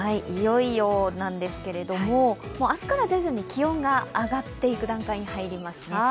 いよいよなんですけれども、明日から徐々に気温が上がっていく段階に入ります。